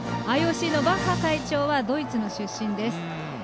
ＩＯＣのバッハ会長はドイツの出身です。